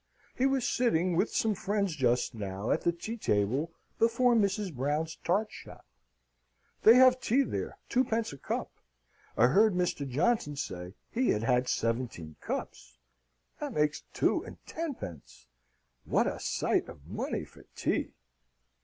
He was sitting with some friends just now at the tea table before Mrs. Brown's tart shop. They have tea there, twopence a cup; I heard Mr. Johnson say he had had seventeen cups that makes two and tenpence what a sight of money for tea!"